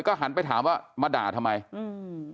ก็หันไปถามว่ามาด่าทำไมอืม